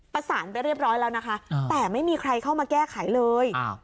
ประสานไปเรียบร้อยแล้วนะคะแต่ไม่มีใครเข้ามาแก้ไขเลย